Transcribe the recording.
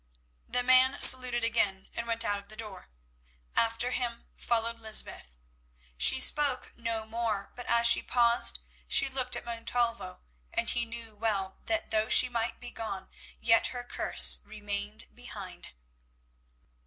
The man saluted again and went out of the door. After him followed Lysbeth. She spoke no more, but as she passed she looked at Montalvo, and he knew well that though she might be gone, yet her curse remained behind.